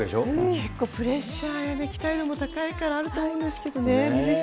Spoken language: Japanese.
結構、プレッシャーが、期待度も高いから、あると思うんですけどね。